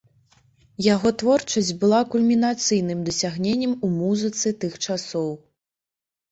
Яго творчасць была кульмінацыйным дасягненнем у музыцы тых часоў.